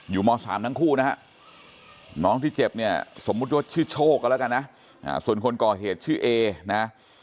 ม๓ทั้งคู่นะฮะน้องที่เจ็บเนี่ยสมมุติว่าชื่อโชคกันแล้วกันนะส่วนคนก่อเหตุชื่อเอนะ